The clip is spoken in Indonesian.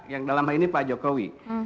yang dalam hal ini pak jokowi